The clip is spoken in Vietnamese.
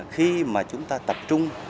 khi mà chúng ta tập trung